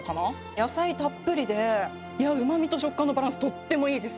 野菜たっぷりで、うまみと食感のバランス、とってもいいです。